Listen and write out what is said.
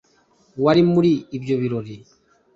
wari muri ibyo birori